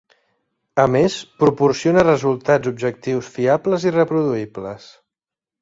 A més, proporciona resultats objectius fiables i reproduïbles.